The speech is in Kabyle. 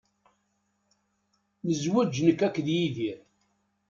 Nezweǧ nekk akked Yidir.